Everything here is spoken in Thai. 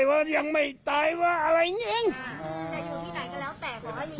ไม่ต้องถอดไม่ต้องถอดค่ะเดินขึ้นมาเลย